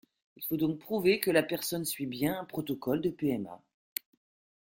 Il faut donc prouver que la personne suit bien un protocole de PMA.